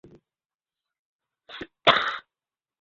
Sir, আপনারা সবাই বাংলাদেশের, তাই না?